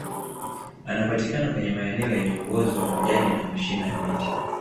anapatikana kwenye maeneo yenye uozo wa majani na mashina ya miti